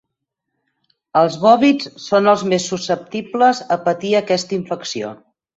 Els bòvids són els més susceptibles a patir aquesta infecció.